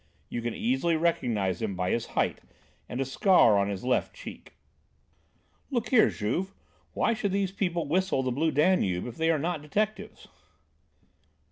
You can easily recognise him by his height and a scar on his left cheek." "Look here, Juve, why should these people whistle 'The Blue Danube' if they are not detectives?"